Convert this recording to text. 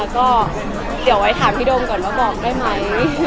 ก็เดี๋ยวไว้ถามพี่โดมก่อนว่ากลับได้มั้ย